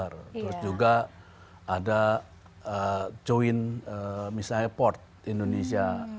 terus juga ada join misalnya port indonesia